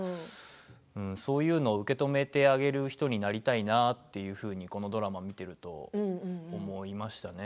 そういう人を受け止めてあげる人になりたいなとドラマを見て思いましたね